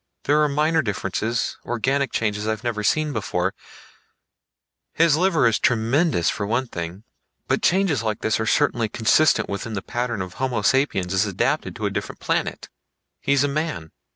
There are minor differences, organic changes I've never seen before his liver is tremendous, for one thing. But changes like this are certainly consistent within the pattern of homo sapiens as adapted to a different planet. He's a man.